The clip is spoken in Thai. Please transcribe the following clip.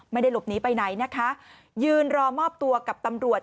ไม่ได้หลบหนีไปไหนนะคะยืนรอมอบตัวกับตำรวจ